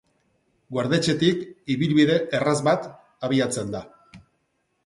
Guardetxetik, ibilbide erraz bat abiatzen da.